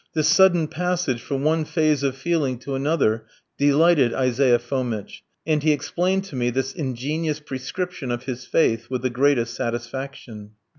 This sudden passage from one phase of feeling to another delighted Isaiah Fomitch, and he explained to me this ingenious prescription of his faith with the greatest satisfaction.